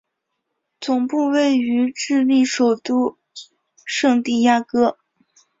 总部位于智利首都圣地亚哥。